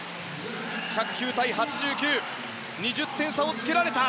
１０９対８９２０点差をつけられた。